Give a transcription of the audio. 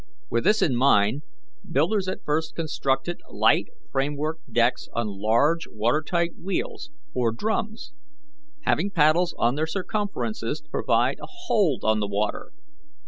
With this in mind, builders at first constructed light framework decks on large water tight wheels or drums, having paddles on their circumferences to provide a hold on the water.